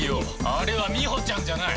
あれはみほちゃんじゃない。